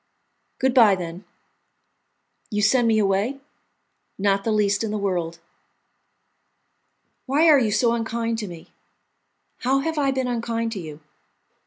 "Good bye, then." "You send me away?" "Not the least in the world." "Why are you so unkind to me?" "How have I been unkind to you?"